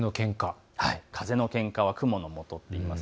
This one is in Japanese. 風のけんかは雲のもとといいます。